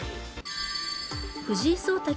藤井聡太